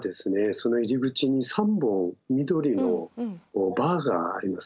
その入り口に３本緑のバーがありますね。